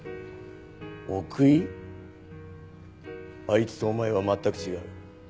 あいつとお前は全く違う。